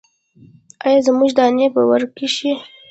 ایا زما دانې به ورکې شي؟